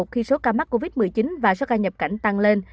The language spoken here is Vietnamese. do ca mắc covid một mươi chín và do ca nhập cảnh tăng lên